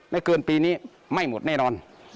เกินปีนี้ไม่หมดแน่นอน